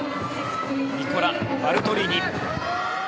ニコラ・バルトリーニ。